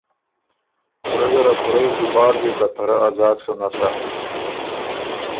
کُورۀ زره پُورۀ اعتبار بیوک که ته رۀ ا ځاک سُو نسا۔